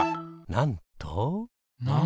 なんと？